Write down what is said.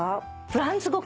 フランス語？